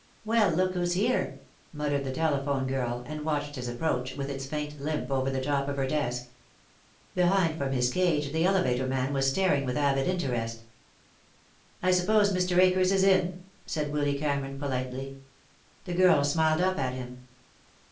"Well, look who's here!" muttered the telephone girl, and watched his approach, with its faint limp, over the top of her desk. Behind, from his cage, the elevator man was staring with avid interest. "I suppose Mr. Akers is in?" said Willy Cameron, politely. The girl smiled up at him.